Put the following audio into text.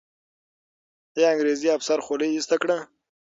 آیا انګریزي افسر خولۍ ایسته کړه؟